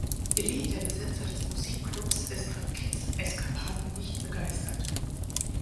Billy, der Besitzer des Musikclubs, ist von Kids Eskapaden nicht begeistert.